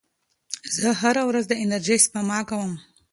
زه هره ورځ د انرژۍ سپما کوم.